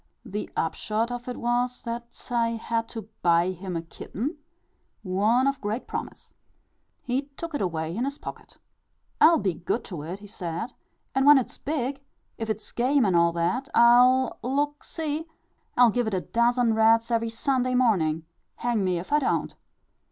The upshot of it was, that I had to buy him a kitten one of great promise. He took it away in his pocket. "I'll be good to it," he said; "and when it's big, if it's game and all that, I'll look, see I'll give it a dozen rats every Sunday morning, hang me if I don't."